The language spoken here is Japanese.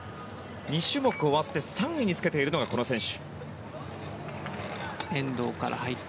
２種目終わって３位につけているのがこの選手。